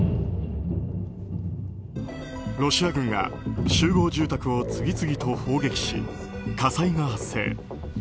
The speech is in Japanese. ロシア軍が集合住宅を次々と砲撃し火災が発生。